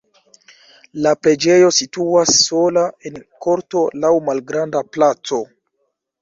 La preĝejo situas sola en korto laŭ malgranda placo.